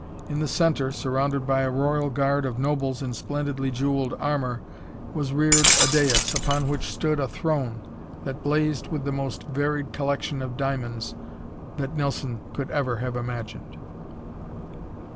In the center, surrounded by a royal guard of nobles in splendidly jeweled armor, was reared a dais, upon which stood a throne that blazed with the most varied collection of diamonds that Nelson could ever have imagined.